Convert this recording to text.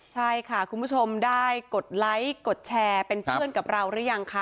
ใช่ค่ะคุณผู้ชมได้กดไลค์กดแชร์เป็นเพื่อนกับเราหรือยังคะ